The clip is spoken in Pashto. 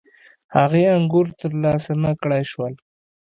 هغې انګور ترلاسه نه کړای شول.